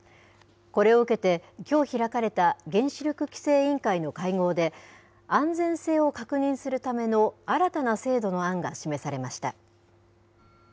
これを受けて、きょう開かれた原子力規制委員会の会合で、安全性を確認するための新たな制度の案が示されました。